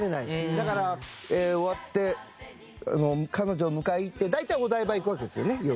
だから終わって彼女を迎えに行って大体お台場行くわけですよね夜。